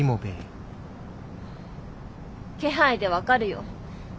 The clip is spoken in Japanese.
気配で分かるよ。